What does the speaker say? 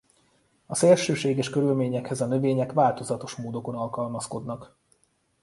A szélsőséges körülményekhez a növények változatos módokon alkalmazkodnak.